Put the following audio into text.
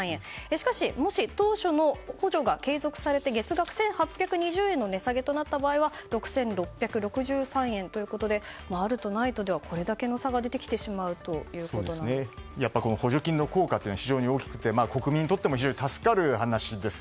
しかし、もし当初の補助が継続されて、月額１８２０円の値下げとなった場合は６６６３円ということであると、ないとではこれだけの差がやっぱり補助金の効果は非常に大きくて国民にとっても助かる話です。